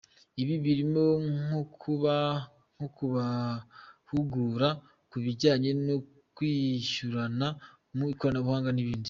Ibi birimo nko kubahugura ku bijyanye no kwishyurana mu ikoranabuhanga n’ibindi.